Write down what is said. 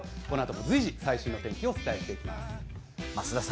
このあとも随時、最新の天気をお伝えします。